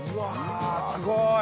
すごい！